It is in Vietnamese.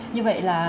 như vậy là